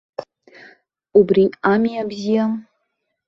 Убри ами абзиа!